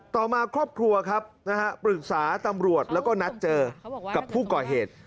ต่อมาครอบครัวครับนะฮะปรึกษาตำรวจแล้วก็นัดเจอกับผู้ก่อเหตุ